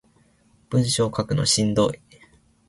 文章書くのしんどい